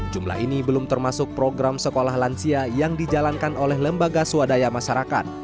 jumlah ini belum termasuk program sekolah lansia yang dijalankan oleh lembaga swadaya masyarakat